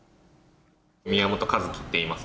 宮本一希っていいます。